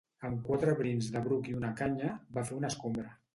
Amb quatre brins de bruc i una canya, va fer una escombra.